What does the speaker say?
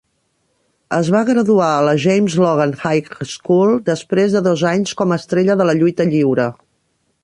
Es va graduar a la James Logan High School després de dos anys com a estrella de la lluita lliure.